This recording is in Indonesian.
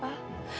kami akan berhenti